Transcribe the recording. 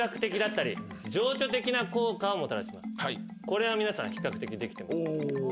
これは皆さん比較的できてました。